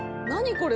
これ。